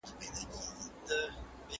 د خلاقیت قانون هر پرمختګ پیلوي.